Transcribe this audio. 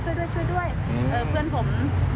ช่วยด้วยเออเพื่อนผมโดนแพงหรืออะไรสักอย่าง